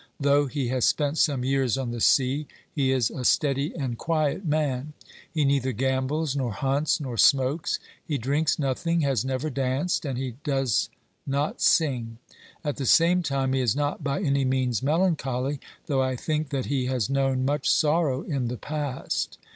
Though he has spent some years on the sea, he is a steady and quiet man. He neither gambles, nor hunts, nor smokes ; he drinks nothing, has never danced, and he does not sing. At the same time he is not by any means melancholy, though I think that he has known much sorrow in the past.